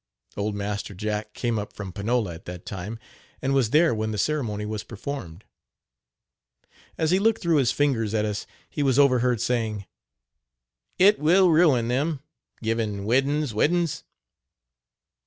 Old Master Jack came up from Panola at that time, and was there when the ceremony was performed. As he looked through his fingers at us, he was overheard saying: "It will ruin them, givin wedins wedins.